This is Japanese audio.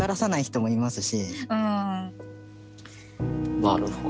なるほど。